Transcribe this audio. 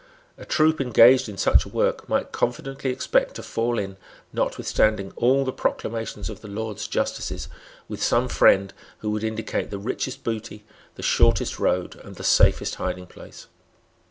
A troop engaged in such a work might confidently expect to fall in, notwithstanding all the proclamations of the Lords justices, with some friend who would indicate the richest booty, the shortest road, and the safest hiding place.